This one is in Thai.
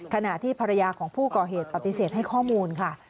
ขณะที่ภรรยาของผู้ก่อเหตุปฏิเสธให้ข้อมูลค่ะ